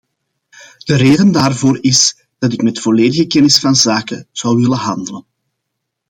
De reden daarvoor is dat ik met volledige kennis van zaken zou willen handelen.